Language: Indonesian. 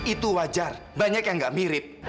itu wajar banyak yang gak mirip